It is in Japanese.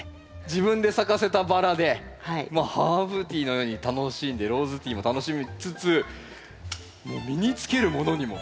自分で咲かせたバラでハーブティーのように楽しんでローズティーも楽しみつつもう身に着けるものにも。